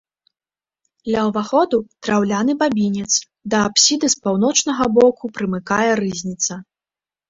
Ля ўваходу драўляны бабінец, да апсіды з паўночнага боку прымыкае рызніца.